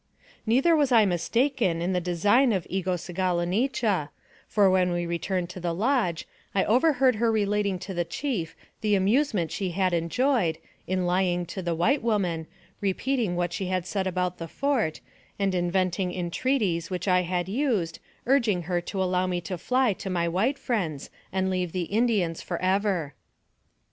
Neither was I mistaken in the design of Egosegalo nicha, for when we returned to the lodge, I overheard her relating to the chief the amusement she had en joyed, in lying to the white woman, repeating what she had said about the fort, and inventing entreaties which I had used, urging her to allow me to fly to my white friends, and leave the Indians forever.